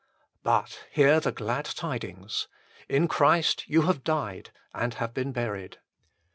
But hear the glad tidings. In Christ you have died and have been buried.